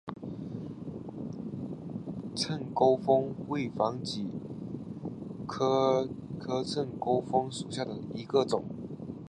秤钩风为防己科秤钩风属下的一个种。